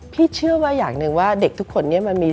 พี่เชื่อว่าอย่างหนึ่งว่าเด็กทุกคนเนี่ยมันมี